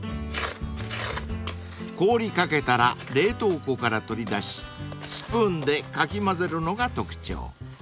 ［凍りかけたら冷凍庫から取り出しスプーンでかき混ぜるのが特徴］